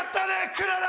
クララ！